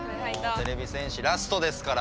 てれび戦士ラストですから。